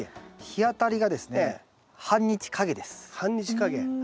日当たりがですね半日陰です。